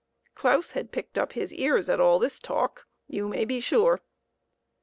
Claus had picked up his ears at all this talk, you may be sure.